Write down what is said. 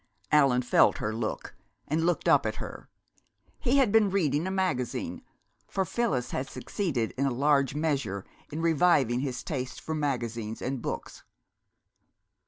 Allan felt her look, and looked up at her. He had been reading a magazine, for Phyllis had succeeded in a large measure in reviving his taste for magazines and books.